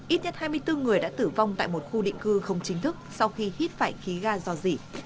ít nhất hai mươi bốn người đã tử vong tại một khu định cư không chính thức sau khi hít phải khí ga dò dỉ